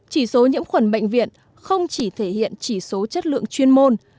chỉ số nhiễm khuẩn bệnh viện không chỉ thể hiện chỉ số chất lượng chuyên môn